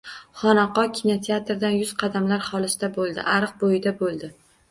Xonaqo kinoteatrdan yuz qadamlar xolisda bo‘ldi. Ariq bo‘yida bo‘ldi.